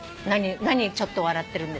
何ちょっと笑ってるんですか？